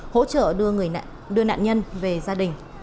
hỗ trợ đưa nạn nhân về gia đình